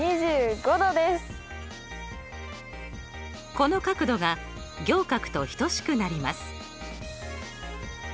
この角度が仰角と等しくなります。